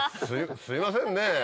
すいませんね。